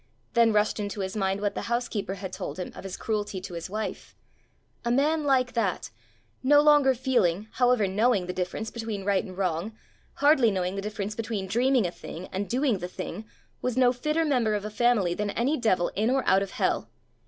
Then rushed into his mind what the housekeeper had told him of his cruelty to his wife: a man like that, no longer feeling, however knowing the difference between right and wrong, hardly knowing the difference between dreaming a thing and doing the thing, was no fitter member of a family than any devil in or out of hell!